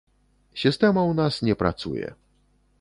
Сістэма ў нас не працуе.